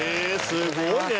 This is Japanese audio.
すごいね！